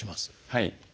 はい。